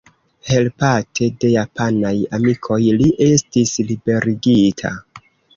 Helpate de japanaj amikoj, li estis liberigita.